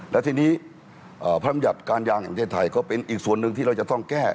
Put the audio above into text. และทีนี้พระรำยัติการยางแห่งประเทศไทยก็เป็นอีกส่วนหนึ่งที่เราจะต้องแก้